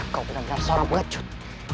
kau benar benar seorang pengecut